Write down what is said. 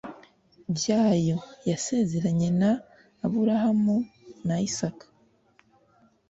ryayo yasezeranye na aburahamu na isaka